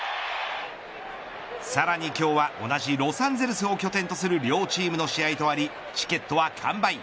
さらに今日は同じロサンゼルスを拠点とする両チームの試合とありチケットは完売。